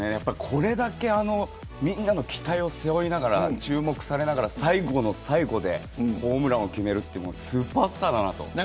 これだけ、みんなの期待を背負いながら、注目されながら最後の最後でホームランを決めるというのはスーパースターだなと。